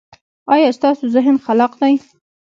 ایا ستاسو ذهن خلاق دی؟